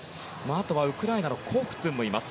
あとは、ウクライナのコフトゥンもいます。